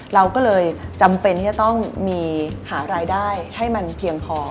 เราก็เลยจำเป็นที่จะต้องมีหารายได้ให้มันเพียงพอ